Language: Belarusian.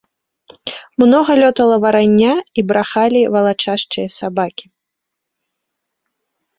Многа лётала варання, і брахалі валачашчыя сабакі.